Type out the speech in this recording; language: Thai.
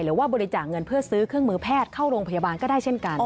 หรือว่าบริจาคเงินเพื่อซื้อเครื่องมือแพทย์เข้าโรงพยาบาลก็ได้เช่นกัน